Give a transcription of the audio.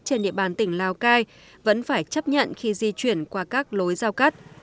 trên địa bàn tỉnh lào cai vẫn phải chấp nhận khi di chuyển qua các lối giao cắt